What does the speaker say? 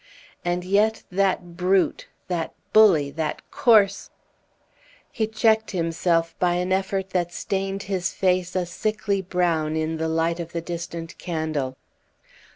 And yet that brute, that bully, that coarse " He checked himself by an effort that stained his face a sickly brown in the light of the distant candle.